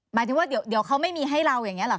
หมายถึงว่าเดี๋ยวเขาไม่มีให้เราอย่างนี้หรอ